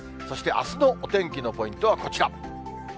そしてあすのお天気のポイントはこちら。